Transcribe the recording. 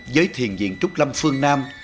với thiền viện trúc lâm phương nam